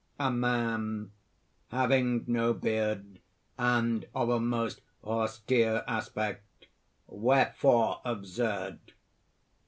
A MAN (having no beard, and of a most austere aspect). "Wherefore absurd?"